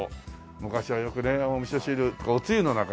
昔はよくねおみそ汁おつゆの中にね。